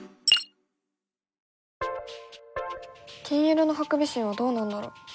金色のハクビシンはどうなんだろう？